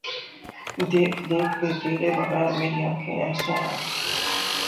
دیکھ دیکھ کہ تیرے بغیر میری آنکھیں ایسے ہیں۔